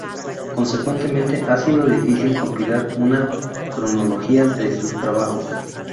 Consecuentemente ha sido difícil compilar una cronología de sus trabajos.